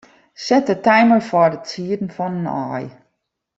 Set de timer foar it sieden fan in aai.